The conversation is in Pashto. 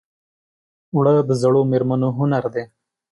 اوړه د زړو مېرمنو هنر دی